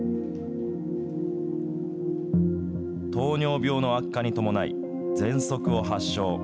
糖尿病の悪化に伴い、ぜんそくを発症。